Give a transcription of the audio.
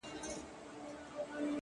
دا مي سوگند دی؛